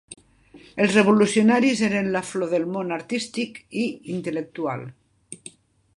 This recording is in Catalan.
Els revolucionaris eren la flor del món artístic i intel·lectual.